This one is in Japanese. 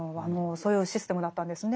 そういうシステムだったんですね。